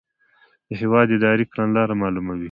د هیواد اداري کړنلاره معلوموي.